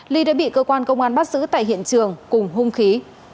ly đã bị cơ quan công an bắt giữ tại hiện trường cùng hung khí